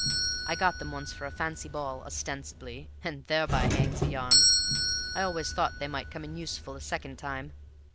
I got them once for a fancy ball ostensibly and thereby hangs a yarn. I always thought they might come in useful a second time.